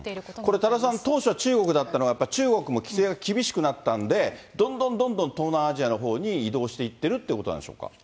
これ、多田さん、当初は中国だったのが、やっぱり中国も規制が厳しくなったんで、どんどんどんどん東南アジアのほうに移動していっているっていうことなんでしょうか。